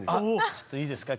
ちょっといいですか？